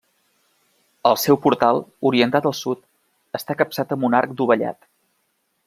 El seu portal, orientat al sud, està capçat amb un arc dovellat.